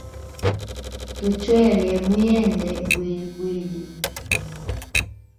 Tuchwele mu yende bwilibwli.